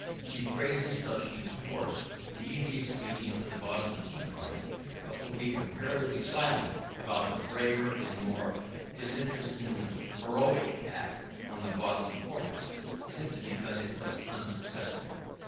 She praises till she is hoarse the easy exploit of the Boston tea party, but will be comparatively silent about the braver and more disinterestedly heroic attack on the Boston Court House, simply because it was unsuccessful!